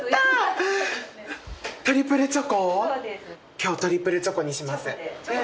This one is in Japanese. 今日トリプルチョコにします。